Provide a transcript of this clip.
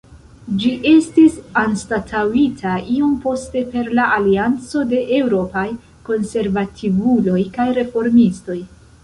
Ĝi estis anstataŭita iom poste per la Alianco de Eŭropaj Konservativuloj kaj Reformistoj.